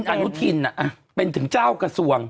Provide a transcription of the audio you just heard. คุณอายุทีนเป็นถึงเจ้ากระทรวง